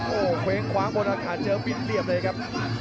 โอ้เวรคว้างบนอากาศเจอบินเหลียบเลยครับ